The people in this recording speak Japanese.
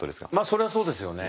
それはそうですよね。